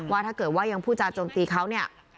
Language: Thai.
ว่าถ้าเกิดว่ายังพูดจาโจมตีเขาเนี่ย